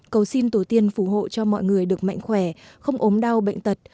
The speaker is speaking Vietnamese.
cầu xin tổ tiên phù hộ cho mọi người được mạnh khỏe không ốm đau bệnh tật